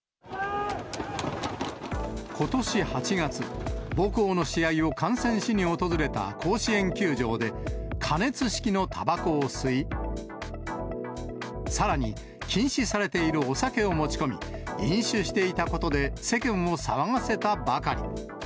ことし８月、母校の試合を観戦しに訪れた甲子園球場で、加熱式のたばこを吸い、さらに、禁止されているお酒を持ち込み、飲酒していたことで世間を騒がせたばかり。